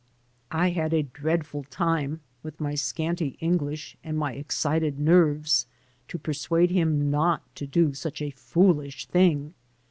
I had a dreadful time, with my scanty English and my excited nerves, to persuade him not to do such a foolish thing.